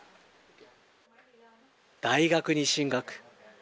大学に進学。